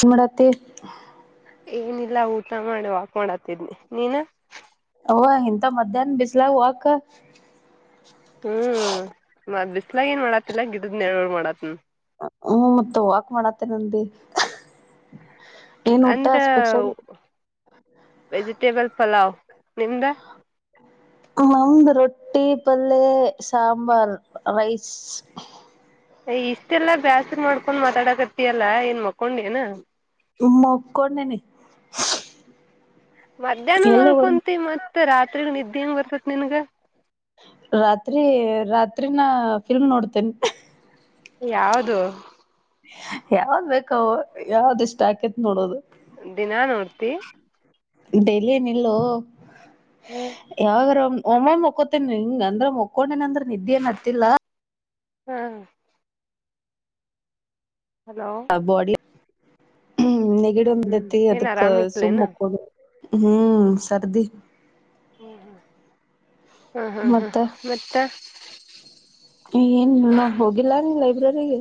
N ಮಾಡತಿ ಏನಿಲ್ಲ ಊಟ ಮಾಡಿ ವಾಕ್ ಮಾಡತಿದನಿ ನೀನ್ ಓ ಇಂತ ಮಧ್ಯಾಹ್ನ ಬಿಸ್ಲ ವಕ ಹ್ಮ್ ಮದ ಇಲ್ಲ ಏನ್ ಮಾಡತ್ತಲ್ಲ ಗಿಡದ ನೆಲ್ ಒಳಗ ಮಾಡತಿನ್ ಹ್ಮ ಮತ್ತ ಹಕ್ ಮಾಡತ್ತೆ ನಂದ ಅಂದ್ರ ವೆಜಿಟೇಬಲ್ ಪಲಾವ್ ನಿಮ್ದ ಕಂದ ರೊಟ್ಟಿ ಟೀ ಪಲ್ಲೆ ಸಾಂಬಾರ್ ರೈಸ್ ಇಷ್ಟೆಲ್ಲಾ ಬ್ಯಾಸಗ್ ಮಾಡ್ಕೊಂಡ್ ಮಾತಾಡಕತಿಯಲ್ಲಾ ಏನ್ ಮಕ್ಕೊಂಡ ಏನ ಮಕ್ಕೊಂಡೇನಿ ಮಧ್ಯಾಹ್ನ ಎಲ್ಲ ಮಲ್ಕೊಂತ ಮತ್ ಮತ್ತ ರಾತ್ರಿಗ ನಿದ್ದೆ ಂಗ ಬರ್ತತ್ ನನ್ಗ ರಾತ್ರಿ ರಾತ್ರಿ ನ ಫಿಲ್ಮ್ ನೋಡ್ತೆೇನ್ ಯಾವದು ಯಾವ್ದ್ ಬೇಕವು ಯಾವ್ದ ಇಷ್ಟ ಆಕೇತ್ ನೋಡೋದು ದಿನಾ ನೋಡ್ತಿ ಡೆಲ್ಲಿ ನಿಲ್ಲೋ ಹ್ಮ್ ಯಾವಾಗರ ಓಮ ಒಮ್ಮ ಮಕ್ಕೋತೇನ್ಿ ಹಿಂಗ ಅಂದ್ರ ಮಕ್ಕೊಂಡೇನ ಅಂದ್ರ ನಿದ್ದೆಏನ್ತಿಿಲ್ಲಾ ಹಾ ಹಲೋ ಹ ಗೊಡಿ ಹ್ಮ್ ನೆಗಿಡ ಹ್ಮ್ ಹ್ಮ್ ಎತ್ತ ಏನ್ ಅದಕ್ಕೆ ಸುಮ್ಮ್ ಆರಾಮಿಲ್ಲೇನ ಹಕ್ಕ ಹ್ಮ್ ಸರ್ದಿ ಹ್ಮ್ ಹ್ಮ್ ಹಾ ಹಾ ಹಾ ಮತ್ತ [inaudible] ಏನ್ೋ ಹೋಗಿಲ್ಲ ರೀ ಲೈಬ್ರರಿಗೆ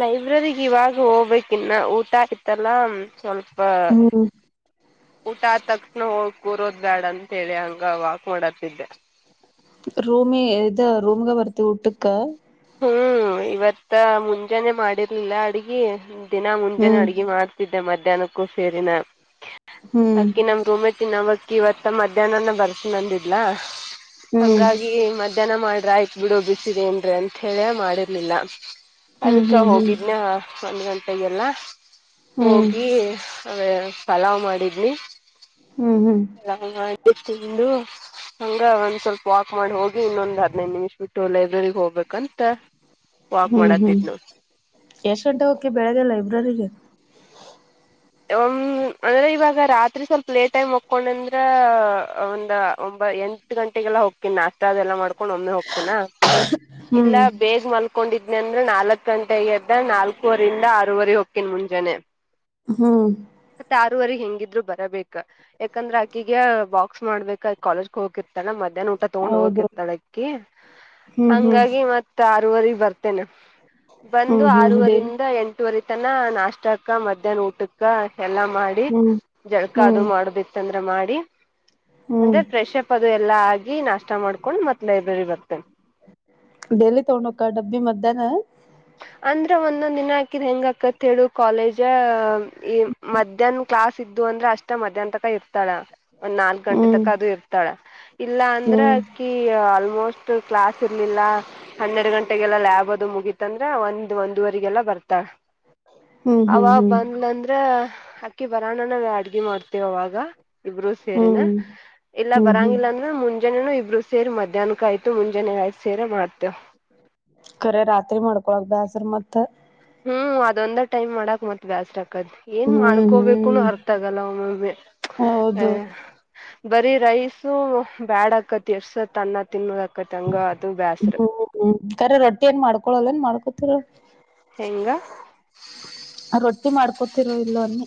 ಲೈಬ್ರಗ್ ಇವಾಗ ಹೋಗ್ಬೇಕ ಇನ್ನ ಊಟ ಆಯತ್ತಲ್ಲ ಸ್ವಲ್ಪ ಪ ಹ್ಮ್ ಊಟ ತಕ್ಷಣ ಹೋಗ ಕೂರೋದ್ ಬ್ಯಾಡ ಅಂತೇಳಿ ಹಂಗ ವಾಕ್ ಮಾಡತಿದ್ದೆ ರೂಮ ಇದ ರೂಮಗ ವರತ್ತ ಉಟ್ಟಕ ಹ್ ಇವತ್ತು ಮುಂಜಾನೆ ಮಾಡಿದ ಇಲಾ ಅಡಗಿ ದಿನ ಮುಂಜಾನ ಹ್ಮ್ ಅಡುಗೆ ಮಾಡ್ತಿದಿ ೆ ಮಧ್ಯಾಹ್ನಕ್ಕೂ ಸೇರಿನ ಹ್ಮ್ ಅಕೆ ನಮ್ ರೋಮತಿ ನಮ ಇವತ್ತ ಮಧ್ಯಾಹ್ನನ ಬರ್ತನಂದಿದಲ ಹ್ಮ್ ಹಂಗಾಗಿ ಮದ ಜನ ಮಾಡ್ರ ಆಯ್ತ ಬಿಡು ಬಿಸಿದೆ ಏನ್ರ ಳ ಮಾಡಿರ್ಲಿಲ್ಲ ಹ್ಮ್ ಅದಕ್ಕ ಹ್ಮ್ ಹ್ಮ್ ಹೋಗಿದ್ನ ಒಂದ್ ಗಂಟೆಗೆಲ್ಲ ಹ್ಮ್ ಹೋಗಿ ಅದೇ ಸಲಾವ್ ಮಾಡಿದ್ನಿ ಹ್ಮ್ ಹ್ಮ್ ನ ಹ ತಿಂದು ಹಂಗ ಒಂದ್ ಸ್ವಲ್ಪ ವಾಕ್ ಮಾಡಿ ಹೋಗಿ ಇನ್ನೊಂದ್ ಹದ್ೈದು ನಿಮಿಷ ಬಿಟ್ಟು ಲೈಬ್ರೆರಿಗೆ ಹೋಗಬೇಕು ಹ್ಮ್ ಹ್ಮ್ ನೋಡ್ ಎಷ್ಟ್ ಗಂಟೆ ಹೋಗಕಿ ಬೆಳಗ್ಗೆ ಲೈಬ್ರರಿಗೆ [inaudible] ಅಂದ್ರೆ ಇವಾಗ ರಾತ್ರಿ ಸ್ವಲ್ಪ ಲೇಟ್ ಟೈಮ್ ಹಕೊಂಡ ಅಂದ್ರ ಒಂದ ಒ ಎಂಟ ಗಂಟೆಗೆಲ್ಲ ಹೋಗ್ತೀನಿ ನಾಷ್ಟ ಅದೆಲ್ಲ ಮಾಡ್ಕೊಂಡ ಹಕೊಂಡ್ ಒಮ್ಮೆ ಹೋಗ್ತನಾ ಹ್ಮ್ ಇಲ್ಲ ಬೇಗ ಮಲ್ಕೊಂಡಿದ ಂದ್ರೆ ನಾಲ್ಕು ಗಂಟೆಗೆ ಎದ ನಾಲ್ಕೂವರಿಂದ ಆರೂರೆ ಹೋಗು ಕನ್ ಮುಂಜನ ಹ್ಮ್ ಮತ್ತೆ ಆರೂವರೆ ಹೆಂಗ ದ್ರು ಬರಬೇ ಯಾಕಂದ್ರೆ ಅಕ್ಕಿಗೆ ಬಾಕ್ಸ್ ಮಾಡ್ಬೇಕ ಕಾಲೇಜ್ಗೆ ಹೋಗಿರ್ತಾಳ ಮಧ್ಯಾಹ್ನ ಊಟ ತಗೊಂಡ್ ಹೌದು ಹೋಗಕಿರ್ತಾಳ ಅಕ್ಕಿ ಹ್ಮ್ ಹ್ಮ್ ಹಂಗಾಗಿ ಮತ್ ಆರುವರೆಗ್ ಬರ್ತೇನ ಬಂದು ಹ್ಮ್ ಹ್ಮ್ ಡೇಲಿ ಆರೂವರಿಂದ ಎಂಟುವರಿ ನ ನಾಷ್ಟಾಕ್ಕ ಮಧ್ಯಾಹ್ನ ಊಟು ಎಲ್ಲಾ ಮಾಡಿ ಹ್ಮ್ ಜಳಕ ಹ್ಮ್ ಅದು ಮಾಡದಿತ್ತನ್ ಮಾಡಿ ಹ್ಮ್ ಅಂದ್ರೆ ಫ್ರೆಶ್ ಅಪ್ ಅದು ಎಲ್ಲಾ ಆಗಿ ನಾಷ್ಟ ಮಾಡ್ ಕೊಂಡ್ ಮತ್ ಲೈಬ್ರರಿ ಬರ್ತೇನ್. ಡೈಲಿ ತಗೊಂಡೊಕಳ್ ಡಬ್ಬಿ ಮಧ್ಯಾನ. ಅಂದ್ರ ಒಂದೊಂದ್ ದಿನ ಹಾಕಿದ್ ಹೆಂಗ ಅಕತ್ ಹೇಳೇಳು ಕಾಲೇಜ ಈ ಮಧ್ಯಾಹ್ನ ಕ್ಲಾಸ್ ಇದ್ದು ಅಂದ್ರ ಅಷ್ಟ ಮಧ್ಯಾಹ್ನ ತಕ ಇರ್ತಾಳ. ಒಂದ್ ನಾಲ್ಕ್ ಗಂಟೆ ಹ್ಮ್ ತಕ ಅದು ಇರ್ತಾಳ. ಇಲ್ಲ ಅಂದ್ರೆ ಹ್ಮ್ ಅಕ್ಕಿ ಅಲ್ ಆಮೋಸ್ಟ್ ಕ್ಲಾಸ್ ಇರ್ಲಿಲ್ಲ ಹನ್ನೆರಡು ಗಂಟೆಗೆಲ್ಲ ಲ್ಯಾಬ್ ಅದು ಮುಗೀ ತಂದ್ರ ಒಂದ್ ಒಂದುವರಿಗೆಲ್ಲ ಬರ್ತಾಳ. ಹ್ಮ್ ಅವ ಹ್ಮ್ ಹ್ಮ್ ಬಂದ್ಲ್ ಅಂದ್ರ. ಅಕ್ಕಿ ಬರಾಣನಲ್ಲ ಅಡ್ಗೆ ಮಾಡ್ತೇವವಾಗ. ಇಬ್ರು ಸೇರಿನಾ ಹ್ಮ್ ಇಲ್ಲ ಹ್ಮ್ ಹ್ಮ್ ಬರಂಗಿಲ್ಲ ಅಂದ್ರೆ ಮುಂಜ್ ಜನೆನು ಇಬ್ರು ಸೇರ್ ಮಧ್ಯಾಹ್ನಕ್ಕಾಯ್ತು ಮುಂಜಾನೆ ರೈಸ್ ಸೆರೆ ಮಾಡ್ತೇವ್. ಕುಳ ಬ್ಯಾಸ್ರ ಮತ್ತ. ಹ್ಮ್ ಅದೊಂದ ಟೈಮ್ ಮಾಡಕ್ ಮತ್ ಬ್ಯಾಸ್ರ ಆ ಏನ್ ಹ್ಮ್ ಮಾಡ್ಕೋಬೇಕುನು ಹ್ಮ್ ಅರ್ಥ ಆಗಲ್ಲ ಒಮ್ಮೊಮ್ಮೆ ಆ ಹೌದು ಬರೀ ರೈಸು ಬ್ಯಾಡ ಆಕತ್ ಎಸ್ಟ್ ಸತ್ ಅನ್ನ ತಿನ್ನುದಕ್ಕತ್ ತಂಗ ಅದು ಬ್ಯಾಸ್ರ. ಹ್ಮ್ ಹ್ಮ್ ಕರೆ ರೊಟ್ಟಿ ಏನ್ ಮಾಡ್ ಕೊಳಲೆನ್ ಮಾಡ್ಕೋತೀರಾ ಹೆಂಗ ರೊಟ್ ರೊಟ್ಟಿ ಮಾಡ್ಕೋತಿರೋ ಇಲ್ಲೋ ಅನ್ನಿ.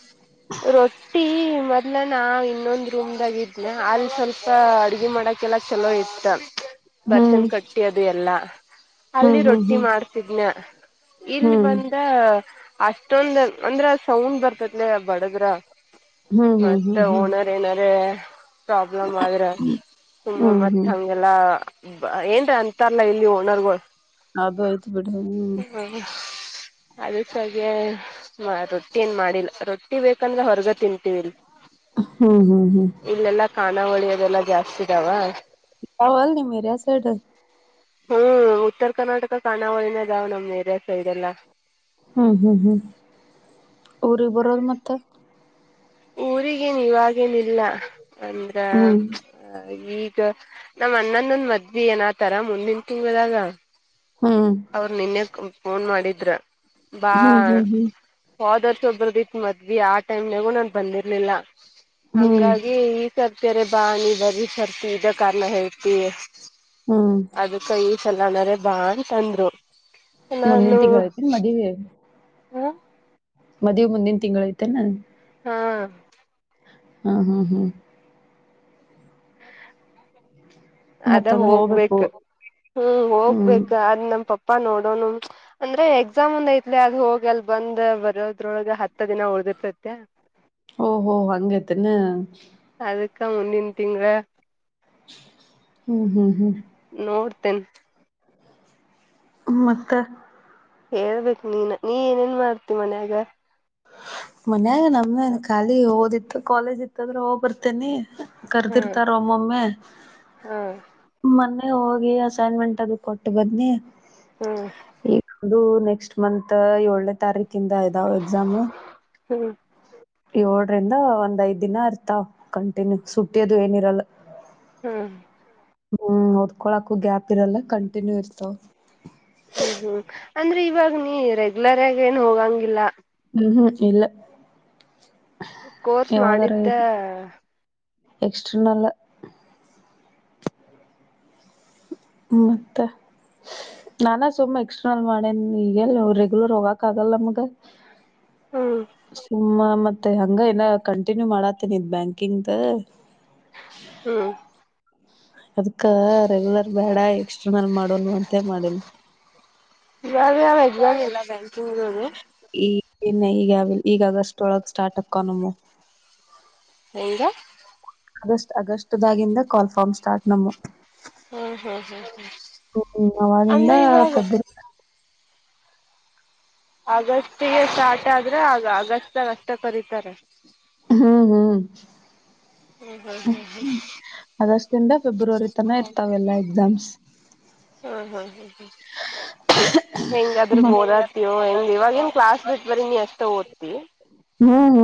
ರೊಟ್ಟಿ ಮೊದ್ಲ ನಾ ಇನ್ನೊಂದ್ ರೂಮ್ದಾಗ ಇದ್ನ ಅಲ್ಲಿ ಸ್ವಲ್ಪ ಅಡ್ಗೆ ಮಾಡಕೆಲ್ಲ ಚಲೋ ಇತ್ತ. ಹ್ಮ್ ಬರ್ಸನ್ ಕಟ್ಟಿ ಅದು ಎಲ್ಲಾ ಅಲ್ಲಿ ಹ್ಮ್ ಹ್ಮ್ ಹ್ಮ್ ರೊಟ್ಟಿ ಹ್ಮ್ ಮಾಡ್ತಿದ್ನ ಇಲ್ಲಿ ಹ್ಮ್ ಬಂದ ಅಷ್ಟೊಂದ ಅಂದ್ರ ಸೌಂಡ್ ಬರ್ತತ್ಲೆ. ಬಡದ್ರಾ ಹ್ಮ್ ಮತ್ತ ಹ್ಮ್ ಹ್ಮ್ ಓನರ್ ಏನಾರೆ ಪ್ರಾಬ್ಲಮ್ ಆದ್ರ ಸುಮ್ನೆ ಹ್ಮ್ ಮತ್ತ್ ಹ್ಮ್ ಹಂಗೆಲ್ಲ ಬ ಏನ್ರ ಅಂತಾರಲ್ಲ ಇಲ್ಲಿ ಹೋ ಓನರ್ಗೊಳ್ ಅದು ಐತ್ ಬಿಡು ಹ್ಮ್ [inaudible] ಹ ರೊಟ್ಟಿ ಏನ್ ಮಾಡಿಲ್ಲ ರೊಟ್ಟಿ ಬೇಕಂದ್ರ ಹೊರಗ ತಿಂತೀವಿ ಇಲ್ಲಿ ಹ್ಮ ಹ್ಮ್ ಹ್ಮ್ ನಾವಳಿ ಅದೆಲ್ಲಾ ಜಾಸ್ತಿ ಇದಾವ ಾವಲ್ ನೀ ಮೇರ ಸೈಡು ಹ್ಮ್ ಉತ್ತರ ಕರ್ನಾಟಕ ಕಾಣಾವಳಿನದಾವ್ ನಮ್ ಏರಿಯ ಸೈದೆಲ್ಲ ಹ್ಮ್ ಹ್ಮ್ ಹ್ಮ್ ಊರಿಗೆ ಬರೋದು ಮತ್ತೆ ಊರಿಗೆ ಇವಾಗ್ ಎನಿಲ್ಲ ಅಂದ್ರ ಹ್ಮ್ ಈಗ ನಮ್ಮ್ ಅಣ್ಣನೊಂದ ಮದ್ಬಿ ಏನತಾರ ಮುಂದಿನ ತಿಂಗಳಾಗ ಹ್ಮ್ ಅವ್ರ ನಿನ್ನೆ ಕಂ ಫೋನ್ ಮಾಡಿದ್ರ ಬಾ ಹ್ಮ್ ಹ್ಮ್ ಹ್ಮ್ ಫಾದರ್ಸ್ ಒಬ್ರದಿ ಇತ್ ಮದ್ವಿ ಆ ಟೈಮ್ನಾಗೂ ನಾನ್ ಬಂದಿರ್ಲಿಲ್ಲ ಹ್ಮ್ ಹಂಗಾಗಿ ಈ ಸರ್ತರ ಬ ನೀ ಬರೀ ಸರ್ತಿ ಇದ ಕಾರಣ ಹೇಳ್ತಿ ಹ್ಮ್ ಅದಕ್ಕ ಈ ಸಲ ಅಂಗಾರೆ ಬಾನ್ ಚಂದ್ರು ಮುಂದಿನ ತಿಂಗಳತಿನ ಮದುವಿ ಹ ಮದ್ವಿ ಮುಂದಿನ ತಿಂಗಳಾಯ್ತೇನಾ ಹಾ ಹಾ ಹ್ಮ ಹ್ಮ್ ಹ್ಮ ಅದ ಮತ್ತಂದ್ರ ಹೋಗ್ಬೇಕ ಹೋಗ್ಬೇಕು ಹ್ಮ್ ಹ್ಮ್ ಹೋಗ್ಬೇಕ ಅ ನಮ್ ಪಪ್ಪ ಬಾ ನೋಡೋಣ ಅಂದ್ರೆ ಎಕ್ಸಾಮ್ ಒಂದ್ ಐತ್ಲಿ ಅದು ಹೋಗಿ ಅಲ್ ಬಂದ್ ಬರೋದ್ರೊಳಗೆ ಹತ್ತ ದಿನ ಉಳ್ದಿರ್ತತೆ ಓಹೋ ಹಂಗೈತೆನೆ ಅದಕ್ಕ ಮುನ್ನಂತೀಂಗ ಹ್ಮ್ ಹ್ಮ್ ಹ್ಮ್ ನೋಡ್ತೇನ್ ಮತ್ತ ಹೇಳ್ಬೇಕು ನೀನ್ ನೀ ಏನೇನ್ ಮಾಡ್ತಿ ಮನ್ಯಾಗ ಮನ್ಯಾಗ ನಮ ಖಾಲಿ ಓದಿತ್ತು ಕಾಲೇಜ್ ಇತ್ತದ್ರೆ ಹೋಗ್ ಬರ್ತೇನಿ ಹ್ಮ್ ಕರ್ದಿರ್ತಾರ ಒಮ್ಮೊಮ್ಮೆ ಹ್ಮ್ ಮೊನ್ನೆ ಹೋಗಿ ಅಸೈನ್ಮೆಂಟ್ ಅದು ಕೊಟ್ಟು ಬದ್ನಿ ಹ್ಮ್ ಈ ಅದು ನೆಕ್ಸ್ಟ್ ಮಂತ್ ಏಳನೇ ತಾರೀಕ್ ಕಿಂದ ದಾವ ಎಗ್ಸಾಮ್ ಹ್ಮ್ ಏಳರಿಂದ ಒಂದ್ ಐದ್ ದಿನ ಇರ್ತಾವ ಕಂಟಿನ್ಯೂ ಸುಟ್ಟಿಯದು ಏನಿರಲ್ಲ. ಹ್ಮ ಹ್ಮ್ ಓದ್ಕೊಳಕು ಗ್ಯಾಪ್ ಇರಲ್ಲ ಕಂಟಿನ್ಯೂ ಇರ್ತಾವ. ಹ್ಮ್ ಹ್ಮ್ ಅಂದ್ರೆ ಇವಾಗ ನೀ ರೆಗ್ಯುಲರ್ ಆಗೆನ್ ಹೋಗಂಗಿಲ್ಲ. ಊ ಹ್ಮ್ ಇಲ್ಲ ಕೋರ್ಸ್ ಮಾಡಿದ್ದ ಎಕ್ಟರ್ನಲ್ ಮತ್ತೆ ನಾನ ಸುಮ್ಮ ಎಕ್ಸ್ಟರ್ನಲ್ ಮಾಡೇನ್ ಈಗೆಲ್ಲ ಅವ ರೆಗ್ಯುಲರ್ ಹೋಗಕ್ ಆಗಲ್ಲ ನಮ್ಗ. ಹ್ಮ್ ಸುಮ್ಮ ಮ ಮತ್ತೆ ಹಂಗ ಏನ ಕಂಟಿನ್ಯೂ ಮಾಡತ್ತೇನಿ ಇದ್ ಬ್ಯಾಂಕಿಂದ. ಹ್ಮ ಅದು ಕ್ಕ ರೆಗ್ಯುಲರ್ ಬೇಡಾಯ್ ಎಕ್ಸ್ಟರ್ನಲ್ ಮಾಡೋನು ಅಂತೇ ಮಾಡಿನ್. ಯಾವ್ ಯಾವ್ ಎಕ್ಸಾಮ್ ಇಲ್ಲ ಬ್ಯಾಂಕಿಂಗುದು. ಇನ್ನ ಈಗ ಈಗ್ ಆಗಸ್ಟ್ ಒಳಗೆ ಸ್ಟಾರ್ಟ್ ಅಕ್ಕ ನಮ್ಮೂವು. ಹೆಂಗ? ಅಗಸ್ಟ್ ಆಗಸ್ಟ್ ದಾಗಿಂದ ಕಾಲ್ ಫಾರ್ಮ್ ಸ್ಟಾರ್ಟ್ ನಮವ್ ಹ್ಮ್ ಹ್ಮ್ ಹ್ಮ್ ಹ್ಮ್ ಹ್ಮ್ ಅವಾಗಿಂದ ಅಂದ್ರೆ ಇವಾಗ ಫೆಬ್ರವರಿ ಆಗಸ್ಟಿಗೆ ಸ್ಟಾರ್ಟ್ ಆ ಅಂದ್ರೆ ಆಗ ಅಗಷ್ಟಗಷ್ಟೇ ಕರಿತಾರೆ. ಹ್ಮ್ ಹ್ಮ್ ಹ್ಮ್ ಹ್ಮ್ ಹ್ಮ್ ಹ್ ಆಗಸ್ಟ್ ಇಂದ ಫೆಬ್ರವರಿ ತನ ಹ್ಮ ಇರ್ತಾವೆಲ್ಲಾ ಎಕ್ಸಾಮ್ಸ್ ಹ್ಮ್ ಹ್ಮ್ ಹೆಂಗಾದ್ರು ಓದಾಡ್ತಿಯೋ ಹೆಂಗ್ ಇವಾಗ ಮತ್ ಏನ್ ಕ್ಲಾಸ್ ಬಿಟ್ ಬರಿ ನೀ ಅಷ್ಟ ಓದ್ತಿ ಹ್ಮ ಹ್ಮ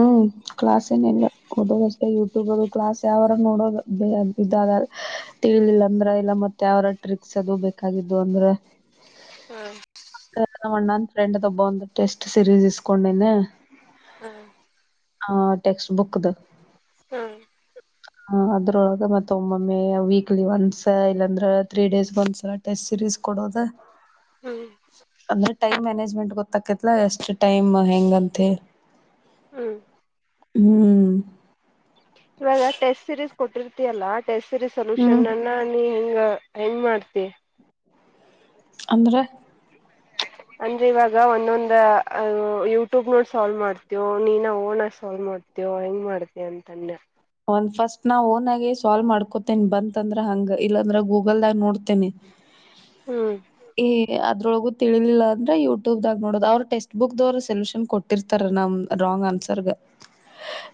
ಕ್ಲಾಸೆನ ಇಲ್ಲ ಕೊಡೋದಷ್ಟೇ [unintelligible] ಟ್ಯೂಬಲೋ ಕ್ಲಾಸ್ ಯಾವಾರ ನೋಡೋದು [unintelligible] ತಿಳಿಲಿಲ್ಲ ಅಂದ್ರೆ ಇಲ್ಲ ಮತ್ತೆ ಯಾವರ ಟ್ರಿಕ್ಸ್ ಅದು ಬೇಕಾಗಿದ್ದು ಅಂದ್ರೆ. ಹ್ಮ ನಣ್ಣನ್ ಫ್ರೆಂಡ್ ದ್ ಒಬ್ಬ ಒಂದು ಟೆಸ್ಟ್ ಸೀರೀಸ್ ಇಸ್ಕೊಂಡಿದ್ದೆ. ಹ್ಮ ಹಾ ಟೆಕ್ಸ್ಟ್ ಬುಕ್ದು ಹ್ಮ ಹ ಅದ್ರೊಳಗೆ ಮತ್ತ ಒಮ್ಮೊಮ್ಮೆ ವೀಕ್ಲಿ ಒಂದಸ ಇಲ್ಲಾಂದ್ರ ತ್ರೀ ಡೇಸ್ ಒಂದ್ಸಲ ಟೆಸ್ಟ್ ಸಿರೀಸ್ ಕೊಡೋದ ಹ್ಮ್ ಅಂದ್ರೆ ಟೈಮ್ ಮ್ಯಾನೇಜ್ಮೆಂಟ್ ಗೊತ್ತಕತ್ಲ ಎಷ್ಟು ಟೈಮ್ ಹೆಂಗಂತೆಳ್ ಹ್ಮ ಹ್ಮ್ ಇವಾಗ ಟೆಸ್ಟ್ ಸೀರೀಸ್ ಕೊಟ್ಟಿರ್ತಿಯಲ್ಲ ಹೆಸರು ಹ್ಮ್ ಸೊಲ್ಯೂಷನ್ ನನ್ನ ಹಗ ಹೆಂಗ್ ಮಾಡ್ತಿ ಅಂದ್ರ ಅಂದ್ರೆ ಇವಾಗ ಒಂದೊಂದ ಯೂಟ್ಯೂಬ್ ನೋಡ್ ಸಾಲ್ವ್ ಮಾಡ್ತವ ನೀನ ಓಣಾಗ ಸಾಲ್ವ್ ಮಾಡ್ತವ ಹೆಂಗ್ ಮಾಡ್ತ ಅಂತಂದೆ ಒಂದ್ ಫಸ್ಟ್ ನಾ ಓನ್ ಆಗಿ ಸಾಲ್ವ್ ಮಾಡ್ಕೊತೇನಿ ಬಂತಂದ್ರ ಹಂಗ ಇಲ್ಲಾಂದ್ರ ಗೂಗಲ್ದಾಗ ನೋಡ್ತೇನಿ ಹ್ಮ್ ಎ ಅದ್ರೊಳಗು ತಿಳಲಿಲ್ಲ ಅಂದ್ರೆ ಯೂಟ್ಯೂಬ್ಾಗ ನೋಡೋದು ಅವ ಟೆಕ್ಸ್ಟ್ ಬುಕ್ ದವರು ಸೊಲ್ಯೂಷನ್ ಕೊಟ್ಟಿರ್ತಾರ ನಮ್ ರಾಂಗ್ ಆನ್ಸರ್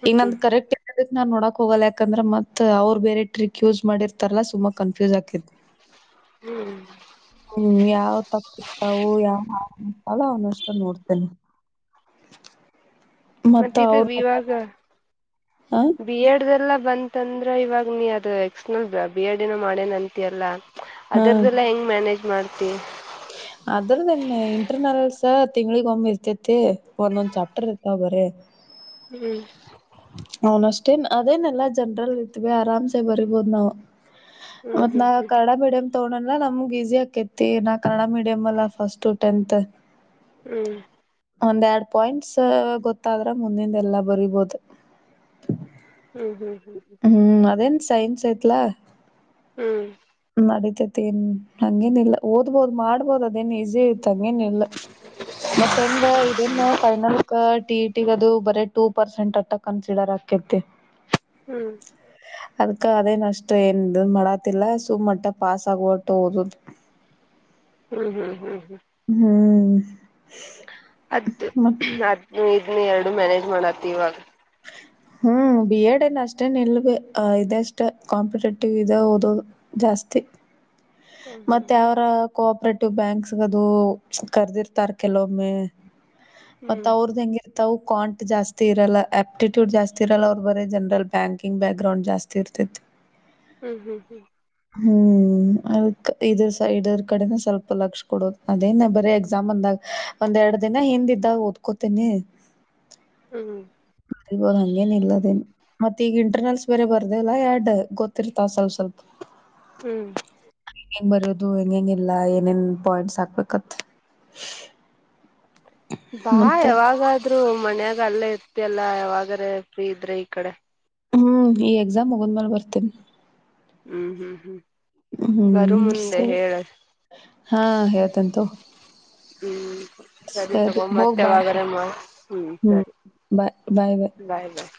ಈಗ ನ ಕರೆಕ್ಟ್ ನಾನ್ ನೋಡಕ್ೋಗಲ್ಲ ಯಾಕಂದ್ರೆ ಮತ್ ಅವರು ಬೇರೆ ಟ್ರಿಕ್ ಯೂಸ್ ಮಾಡರ್ತಾರಲ್ಲಾ ಸುಂಬ ಕನ್ಫ್ಯೂಸ್ ಆಾಕಿತಿ ಹ್ಮ್ ಯಾವ ತಪ್ಪತವು ಯಾವ ಅಲ್ಲ ಅವನ ಅಷ್ಟ ನೋಡ್ತೇನೆ ಮತ್ತ ಇದು ಅವ್ರ ಇವಾಗ ಮ ಬಿ ಎಡ್್ದಲ್ಲ ಬಂತ ಂದ್ರ ಇವಾಗ ನೀ ಅದು ಎಕ್ಸ್ ನಲ್ ಬಿ ಎಡ್ ನ ಮಾಡೇನ್ ಅಂತಿಯಲ್ಲ ಅದ್ರದ್ದೆಲ್ಲಾ ಹೆಂಗ್ ಮ್ಯಾನೇಜ್ ಮಾಡ್ತಿ ಅದ್ರ್ದನ್ ಇಂಟರ್ನಲ್ಸ ತಿಂಗಳಿಗ್ ಒಮ್ಮ್ ಇರ್ತೇತಿ ಒಂದೊಂದ್ ಚಾಪ್ಟರ್ ಇರ್ತವ ಬರ ಹ್ಮ್ ಅವ್ನ್ ಅಷ್ಟೇನ್ ಅದೇನೆಲ್ಲಾ ಜನ್ರಲ್ ಇತ್ವಿ ಆರಾಮ್ಸೆ ಬರಿಬೋದ್ ನಾವ್ ಮತ ಹ್ಮ್ ಹ್ಮ್ ನಾವ ಕನ್ನಡ ಮೀಡಿಯಂ ತೋಲ್ಲ ನಮ್ಗ್ ಈಸಿ ಆಾಕೈತಿ ನಾ ಕನ್ನಡ ಮೀಡಿಯಮ್ ಎಲ್ಲ ಫಸ್ಟ್ ಟೆಂತ್ ಹ್ಮ್ ಒಂದ್ ಎರಡ್ ಪಾಯಿಂಟ್ಸ್ ಗೊತ್ತಾದ್ರೆ ಮುಂದಿಂದ ಎಲ್ಲಾ ಬರಿಬೋದು [inaudible] ಹ್ಮ್ ಹ್ಮ್ ಹ್ಮ್ ಹ್ಮ್ ಹ್ಮ್ ಅದೇನ್ ಸೈನ್ಸ್ ಆಯ್ತು ತಲಾ ಹ್ಮ್ ನಡತೇತಿ ಏನ್ ಹಂಗೇನ್ ಇಿಲ್ಲ ಓದ್ಬೋದ್ ಮಾಡ್ಬೋದ ಅದೇನ್ ಈಸಿ ಐತ್ ಹಂಗೇನ್ ಇಿಲ್ಲ ಮತ್ತ ಹೆಂಗ ಇದೇನ್ ಫೈನಲ್ ಟಿ ಇಟಿಗದು ಬರ ಟೂ ಪರ್ಸೆಂಟ್ ಅಟ್ಟ ಕನ್ಸಿಡರ್ ಆಾಕೇತಿ ಹ್ಮ್ ಅದ್ಕ ಅದೇನ ಅಷ್ಟ್ ಏನ್ ಮಾಡಾತಿಲ್ಲ ಸು ಮಟ್ಟ ಪಾಸ್ ಆಗುವಟ್ಟು ಹಓದುದು ಹ್ಮ್ ಹ್ಮ್ ಹ್ಮ್ ಹ್ಮ್ ಹ್ಮ್ ಅದ ಮತ್ ಅದ್ ಇದ್ನ್ನ ಮ್ಯಾನೇಜ್ ಮಾಡತ್ತ ಇವಾಗ ಹ್ಮ್ ಬಿ ಎಡ್ ನ್ ಅಷ್ಟೇ ನಿಲ್ಬ ಅ ಇದಷ್ಟ ಕಾಂಪಿಟೇಟಿವ್ ಇ ಓದೋದು ಜಾಸ್ತಿ ಹ್ಮ ಮತ್ತೆ ಹ್ಮ್ ಅವರ ಕೋಆಪ್ರೇಟಿವ್ ಬ್ಯಾಂಕ್ಸ್ ದು ಕರ್ದಿರ್ತಾರ ಕೆಲವೊಮ್ಮೆ ಮತ್ತ ಅವ್ರದ ಹೆಂಗಿರ್ತವು ಕಾಟ್ ಜಾಸ್ತಿ ಇರಲ್ಲ. ಆಪ್ಟಿಟ್ಯೂಡ್ ಜಾಸ್ತಿ ಇರಲ್ಲ ಅವರು ಬರಿ ಜನರಲ್ ಬ್ಯಾಂಕಿಂಗ್ ಬ್ಯಾಕ್ ಗ್ರೌಂಡ್ ಜಾಸ್ತಿ ಇರ್ತಿತಿ. ಹ್ಮ್ ಹ್ಮ್ ಹ್ಮ್ ಹ್ಮ್ ಅದ್ಕ ಇದರ್ ಸೈಡರ್ ಕಡೆನು ಸ್ವಲ್ಪ ಲಕ್ಷ ಕೊಡೋದು ಅದೇನ್ ಬರೀ ಎಕ್ಸಾಮ್ ಅಂದಾಗ ಒಂದ್ ಎರಡ್ ದಿನ ಹಿಂದಿದ್ದಾಗ ಓದ್ಕೋತೇನಿ. ಹ್ಮ್ ಬರಿಬೋದು ಹಂಗೇನ್ ಇಲ್ಲದೇನ್ ಮತ್ತ ಈಗ ಇಂಟರ್ನಲ್ಸ್ ಬೇರೆ ಬರ್ದಲ್ಲ ಎಡ್ ಗೊತ್ತಿರ್ತಾವ್ ಸ್ವಲ್ಪ ಸ್ವಲ್ಪ. ಹ್ಮ್ ಹ ಹೆಂಗ್ ಬರೋದು ಹೆಂಗ್ ಹೆಂಗ್ ಇಲ್ಲ ಏನೇನ್ ಪಾಯಿಂಟ್ಸ್ ಹಾಕ್ಬೇಕತ್ ಬಾ ಮತ್ತ ಯಾವಾಗಾದ್ರೂ ಮನ್ಯಾ ಈಗ ಅಲ್ಲೇ ಇರ್ತಿಯಲ್ಲ ಯಾವಾಗರೆ ಫ್ರೀ ಇದ್ರೆ ಈ ಕಡೆ. ಹ್ಮ್ ಈ ಎಕ್ಸಾಮ್ ಮುಗದ್ಮೇಲ್ ಬರ್ತೇನ್. ಊ ಹ್ಮ್ ಹ್ಮ್ ಬರು ಹ್ಮ್ ಸ ಮುಂದೆ ಹೇಳ ಹಾ ಹೇಳ್ತೇನ್ ತಗೋ. ಹ್ಮ್ ಸರಿ ತಗೊ ಮತ್ ಹೋಗ್ ಬಾ ಅಂತೆ ಯಾವಾಗರೇ ಮಾಡ್ ಹ್ಮ್ ಸರಿ ಬಾಯ್ ಬಾಯ್. ಬಾಯ್ ಬಾಯ್.